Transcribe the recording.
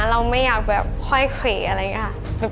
เราไม่อยากแบบค่อยเขวอะไรอย่างนี้ค่ะ